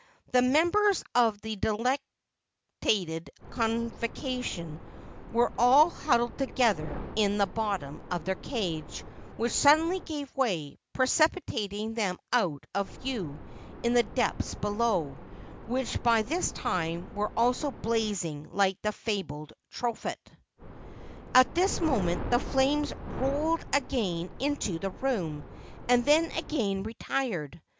The members of the delectated convocation were all huddled together in the bottom of their cage, which suddenly gave way, precipitating them out of view in the depths below, which by this time were also blazing like the fabled Tophet. At this moment the flames rolled again into the room and then again retired.